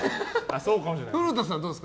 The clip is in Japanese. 古田さんはどうですか？